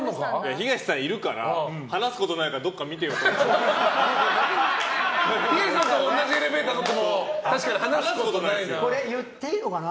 東さんがいるから話すことないから東さんと同じエレベーターに乗っても確かに話すことないな。